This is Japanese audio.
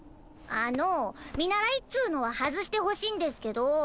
あの見習いっつのは外してほしいんですけど。